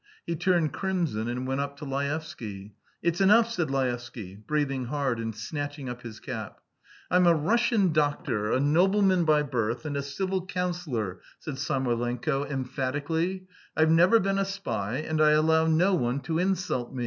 He turned crimson and went up to Laevsky. "It's enough," said Laevsky, breathing hard and snatching up his cap. "I'm a Russian doctor, a nobleman by birth, and a civil councillor," said Samoylenko emphatically. "I've never been a spy, and I allow no one to insult me!"